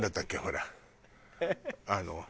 あの。